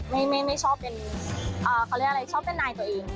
ไม่ชอบเป็นเขาเรียกอะไรชอบเป็นนายตัวเอง